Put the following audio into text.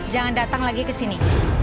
jangan datang lagi kesini